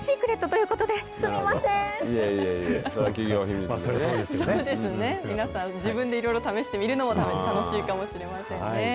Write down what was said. そうですね、皆さん自分でいろいろ試してみるのも、楽しいかもしれませんね。